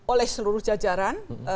oleh seluruh jajaran